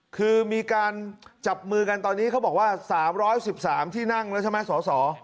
คือมีการจับมือกันตอนนี้เขาบอกว่า๓๑๓ที่นั่งแล้วใช่ไหมสส